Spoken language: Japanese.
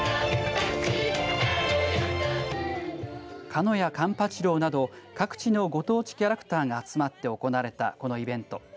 かのやカンパチロウなど各地のご当地キャラクターが集まって行われたこのイベント。